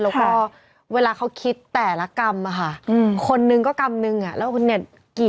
แล้วก็เวลาเขาคิดแต่ละกรรมค่ะคนนึงก็กรรมนึงแล้วคนนี้กี่คนน่ะ